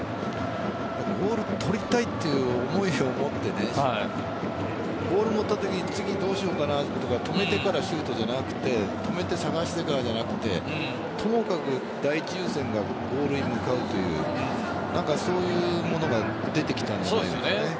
ゴール取りたいという思いを持ってボールを持ったときに次、どうしようかなとか止めてからシュートじゃなくて止めて探してからじゃなくてともかく第一優先がゴールに向かうというそういうものが出てきたんじゃないかな。